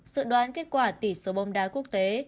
sự đoán kết quả tỷ số bóng đá quốc tế